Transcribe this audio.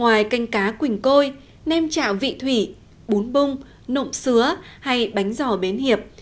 ngoài canh cá quỳnh côi nem chạo vị thủy bún bung nộm sứa hay bánh giò bến hiệp